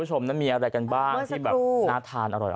ผู้ชมมีอะไรหรือกันบ้างที่แบบน่าทานอร่อย